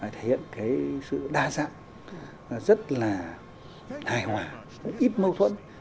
thể hiện sự đa dạng rất là hài hòa ít mâu thuẫn